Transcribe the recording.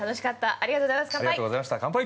ありがとうございます、乾杯！